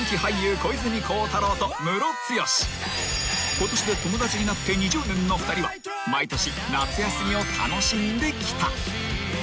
［ことしで友達になって２０年の２人は毎年夏休みを楽しんできた］